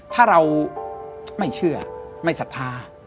ถ้าเราไม่เชื่อไม่ศรัทธา